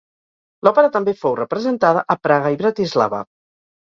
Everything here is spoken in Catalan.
L'òpera també fou representada a Praga i Bratislava.